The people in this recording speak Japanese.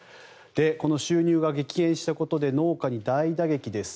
この収入が激減したことで農家に大打撃です。